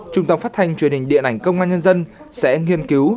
trung tâm phát thanh truyền hình điện ảnh công an nhân dân sẽ nghiên cứu